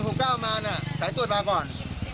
แต่ก่อน๑๖๙มาน่ะใส่ตรวจมาก่อน